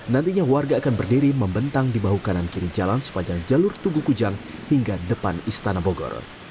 nantinya warga akan berdiri membentang di bahu kanan kiri jalan sepanjang jalur tugu kujang hingga depan istana bogor